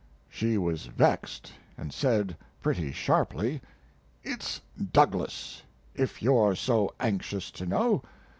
She was vexed and said pretty sharply, "It's Douglas, if you're so anxious to know.